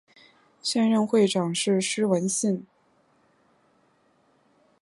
现任会长是施文信。